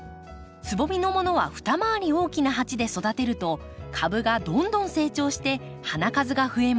つぼみのものは二回り大きな鉢で育てると株がどんどん成長して花数が増えます。